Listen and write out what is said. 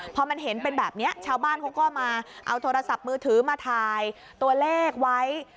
พอมันเห็นเป็นแบบนี้ชาวบ้านเขาก็มาเอาโทรศัพท์มือถือมาถ่ายตัวเลขไว้